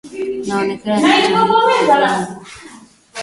naonekana jitihada za vyombo vya dola vya nchi hiyo kulitokomeza kundi hilo